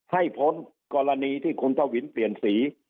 ให้พ้นกรณีที่คุณทวินเปลี่ยนสี